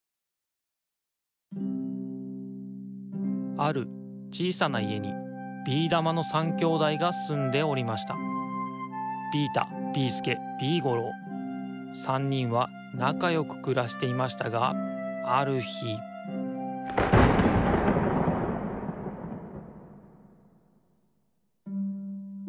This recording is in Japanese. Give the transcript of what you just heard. あるちいさないえにビーだまの３兄弟がすんでおりました３にんはなかよくくらしていましたがあるひゴロゴロ。